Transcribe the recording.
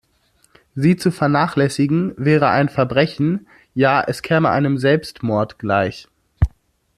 Sie zu vernachlässigen, wäre ein Verbrechen, ja, es käme einem Selbstmord gleich.